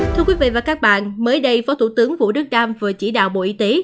thưa quý vị và các bạn mới đây phó thủ tướng vũ đức đam vừa chỉ đạo bộ y tế